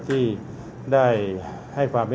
สวัสดีครับ